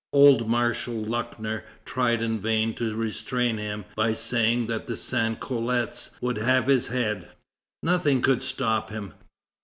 Old Marshal Luckner tried in vain to restrain him by saying that the sans culottes would have his head. Nothing could stop him.